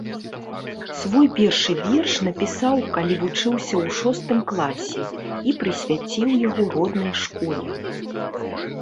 Свой першы верш напісаў, калі вучыўся ў шостым класе, і прысвяціў яго роднай школе.